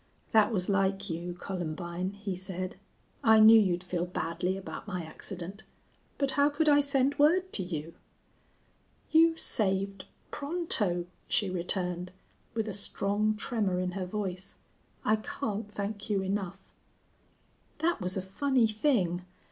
"That was like you, Columbine," he said. "I knew you'd feel badly about my accident. But how could I send word to you?" "You saved Pronto," she returned, with a strong tremor in her voice. "I can't thank you enough." "That was a funny thing.